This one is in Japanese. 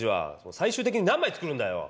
最終的に何枚作るんだよ。